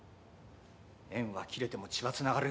縁は切れても血はつながる。